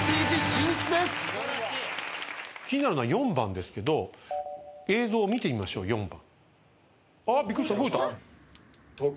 気になるのは４番ですけど映像を見てみましょう４番。